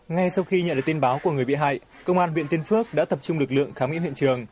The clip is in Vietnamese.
ngay sau khi nhận được tin báo của người bị hại công an huyện tiên phước đã tập trung lực lượng khám nghiệm hiện trường